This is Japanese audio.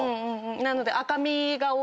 なので。